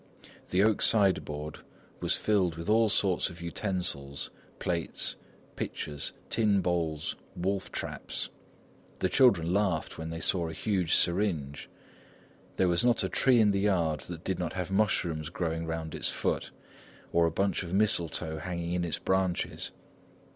The oak sideboard was filled with all sorts of utensils, plates, pitchers, tin bowls, wolf traps. The children laughed when they saw a huge syringe. There was not a tree in the yard that did not have mushrooms growing around its foot, or a bunch of mistletoe hanging in its branches.